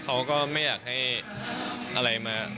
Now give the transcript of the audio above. เขาก็ไม่อยากให้อะไรมา